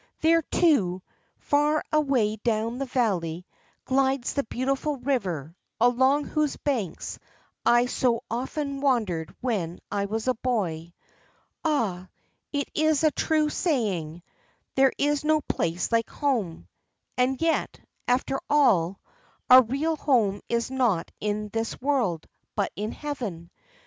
There, too, far away down the valley, glides the beautiful river, along whose banks I so often wandered when I was a boy. Ah, it is a true saying, 'There is no place like home!' And yet, after all, our real home is not in this world, but in heaven.